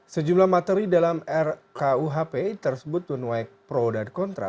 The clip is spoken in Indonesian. sejumlah materi dalam rkuhp tersebut menuai pro dan kontra